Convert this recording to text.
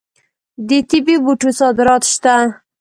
د طبي بوټو صادرات شته.